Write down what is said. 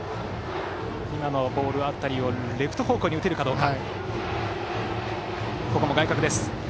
今のボール辺りをレフト方向に打てるかどうか。